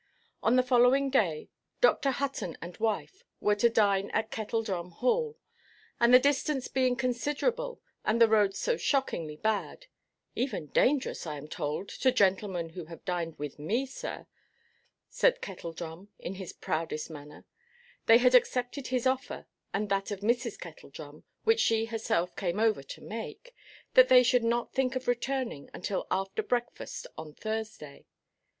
On the following day, Dr. Hutton and wife were to dine at Kettledrum Hall; and the distance being considerable, and the roads so shockingly bad—"even dangerous, I am told, to gentlemen who have dined with me, sir," said Kettledrum, in his proudest manner—they had accepted his offer, and that of Mrs. Kettledrum, which she herself came over to make, that they should not think of returning until after breakfast on Thursday.